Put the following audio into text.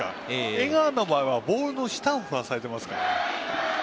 江川の場合はボールの下を振らされていますから。